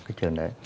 cái trường đấy